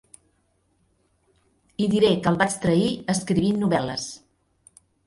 I diré que el vaig trair escrivint novel·les.